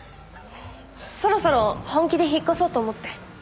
そろそろ本気で引っ越そうと思って。